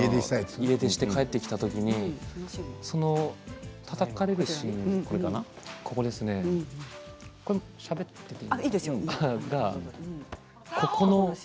家出して帰ってきた時にそのたたかれるシーンしゃべってていいですか？